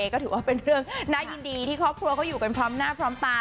ก็ถือว่าเป็นเรื่องน่ายินดีที่ครอบครัวเขาอยู่กันพร้อมหน้าพร้อมตา